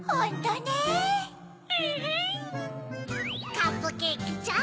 カップケーキちゃん